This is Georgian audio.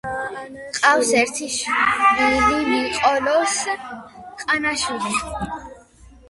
ჰყავს ერთი შვილი, ნიკოლოზ ანასაშვილი.